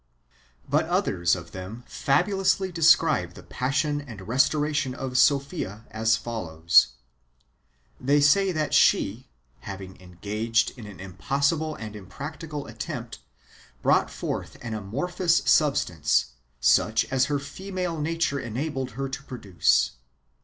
But others of them fabulously describe the passion and restoration of Sophia as follows : They say that she, having engaged in an impossible and impracticable attempt, brought forth an amorphous substance, such as her female nature enabled her to produce.